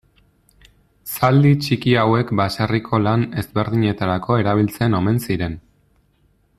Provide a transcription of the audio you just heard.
Zaldi txiki hauek baserriko lan ezberdinetarako erabiltzen omen ziren.